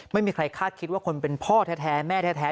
ไม่มีใครคาดคิดว่าคนเป็นพ่อแท้แม่แท้